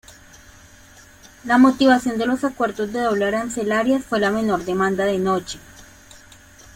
La motivación de los acuerdos de doble arancelarias fue la menor demanda de noche.